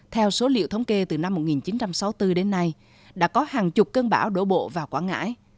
theo số liệu thống kê từ năm một nghìn chín trăm sáu mươi bốn đến nay đã có hàng chục cơn bão đổ bộ vào quảng ngãi